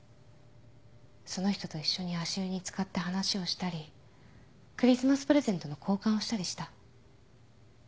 その人と一緒に足湯に漬かって話をしたりクリスマスプレゼントの交換をしたりした